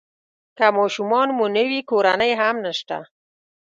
که ماشومان مو نه وي کورنۍ هم نشته.